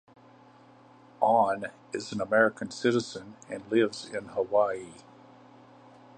Ahn is an American citizen and lives in Hawaii.